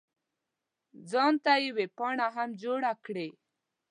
ځان ته یې ویبپاڼه هم جوړه کړې.